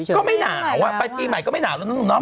ก็ไม่หนาวไปปีใหม่ก็ไม่หนาวแล้วเนอะ